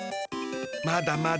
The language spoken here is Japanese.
まだまだ。